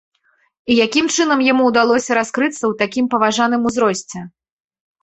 І якім чынам яму ўдалося раскрыцца ў такім паважаным узросце?